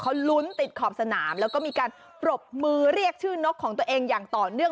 เขาลุ้นติดขอบสนามแล้วก็มีการปรบมือเรียกชื่อนกของตัวเองอย่างต่อเนื่อง